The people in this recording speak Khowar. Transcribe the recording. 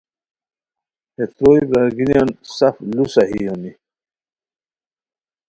ہے تروئے برارگینیان سف لو صحیح ہونی